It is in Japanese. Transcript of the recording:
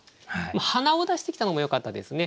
「鼻」を出してきたのもよかったですね。